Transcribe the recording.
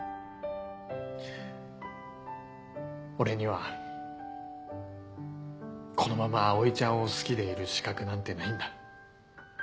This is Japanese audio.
俺にはこのまま葵ちゃんを好きでいる資格なんてないんだ。